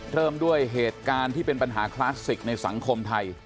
เริ่มด้วยเหตุการณ์ที่เป็นปัญหาคลาสสิกในสังคมไทย